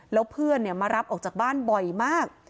แล้วเพื่อนมารับออกจากบ้านบ่อยมาก